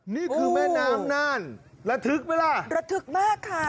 นี่คือแม่น้ำน่านระทึกไหมล่ะระทึกมากค่ะ